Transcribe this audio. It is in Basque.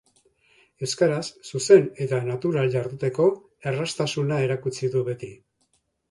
Euskaraz zuzen eta natural jarduteko erraztasuna erakutsi du beti.